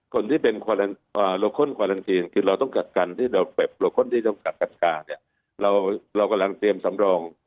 คนที่เป็นอ่าโรคค้นควารันทีนคือเราต้องกัดกันที่เราเป็น